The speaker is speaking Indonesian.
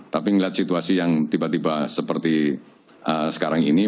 tapi melihat situasi yang tiba tiba seperti sekarang ini